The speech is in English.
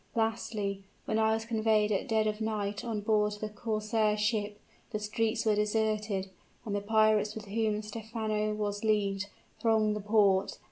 Lastly, when I was conveyed at dead of night on board the corsair ship, the streets were deserted, and the pirates with whom Stephano was leagued, thronged the port.